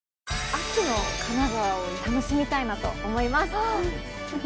秋の金沢を楽しみたいと思います。